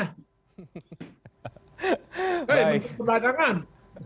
hei menteri perdagangan